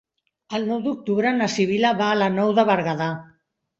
El nou d'octubre na Sibil·la va a la Nou de Berguedà.